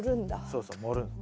そうそう盛るの。